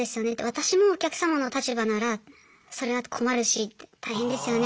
私もお客様の立場ならそれは困るし大変ですよね